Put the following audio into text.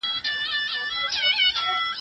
د سل سري اژدها پر كور ناورين سو